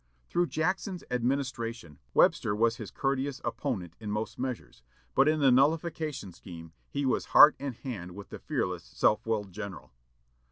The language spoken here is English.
Through Jackson's administration Webster was his courteous opponent in most measures, but in the nullification scheme he was heart and hand with the fearless, self willed general.